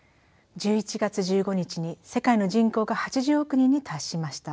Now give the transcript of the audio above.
１１月１５日に世界の人口が８０億人に達しました。